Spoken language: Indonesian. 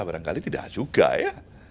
barangkali tidak juga ya